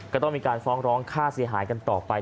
ก็ต้องมีการฟ้องร้องค่าเสียหายกันต่อไป